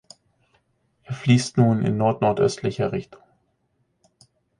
Er fließt nun in nordnordöstlicher Richtung.